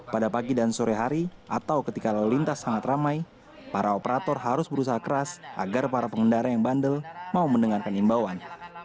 pada pagi dan sore hari atau ketika lalu lintas sangat ramai para operator harus berusaha keras agar para pengendara yang bandel mau mendengarkan imbauan